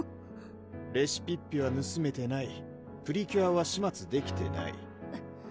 レシピッピはぬすめてないプリキュアは始末できてない